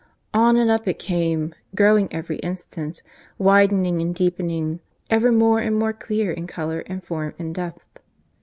On and up it came, growing every instant, widening and deepening, ever more and more clear in colour and form and depth.